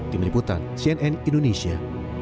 tim liputan cnn indonesia